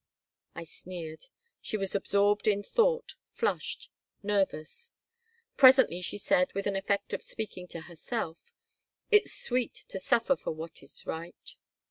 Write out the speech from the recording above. I sneered She was absorbed in thought, flushed, nervous. Presently she said, with an effect of speaking to herself: "It's sweet to suffer for what is right."